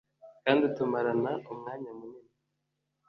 kandi tumarana umwanya munini